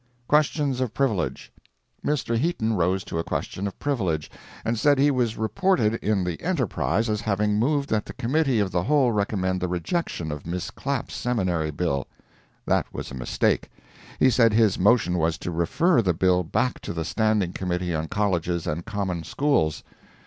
QUESTIONS OF PRIVILEGE Mr. Heaton rose to a question of privilege, and said he was reported in the ENTERPRISE as having moved that the Committee of the Whole recommend the rejection of Miss Clapp's Seminary bill. That was a mistake. He said his motion was to refer the bill back to the Standing Committee on Colleges and Common Schools.